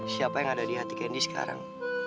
siapa yang ada di hati kendi sekarang